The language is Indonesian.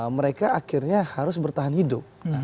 mereka akhirnya harus bertahan hidup